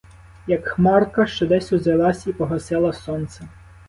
Як хмарка, що десь узялась і погасила сонце.